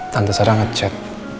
tante sarah ngechat